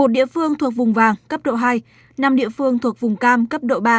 một địa phương thuộc vùng vàng cấp độ hai năm địa phương thuộc vùng cam cấp độ ba